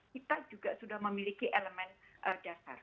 kita juga sudah memiliki elemen dasar